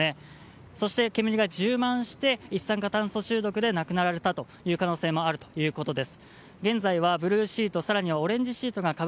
そして、煙が充満して一酸化炭素中毒で亡くなられた可能性もあるということです。